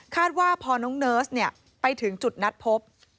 ว่าพอน้องเนิร์สไปถึงจุดนัดพบ